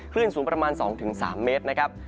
คลื่นสูงประมาณ๒๓เมตรนะครับ